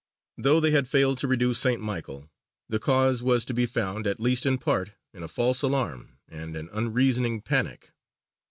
Though they had failed to reduce St. Michael, the cause was to be found, at least in part, in a false alarm and an unreasoning panic.